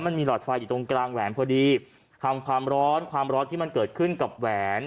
หลอดไฟอยู่ตรงกลางแหวนพอดีทำความร้อนความร้อนที่มันเกิดขึ้นกับแหวน